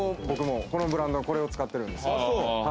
僕もこのブランドを使ってるんですけれど。